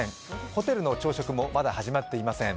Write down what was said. ホテルの朝食もまだ始まっていません。